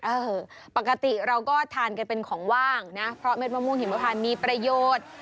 เออปกติเราก็ทานกันเป็นของว่างนะเพราะเด็ดมะม่วงหิมพานมีประโยชน์